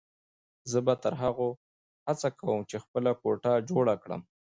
زه به تر هغو هڅه کوم چې خپله کوټه جوړه کړم.